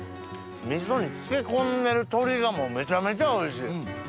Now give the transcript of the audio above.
味噌に漬け込んでる鶏がもうめちゃめちゃおいしい。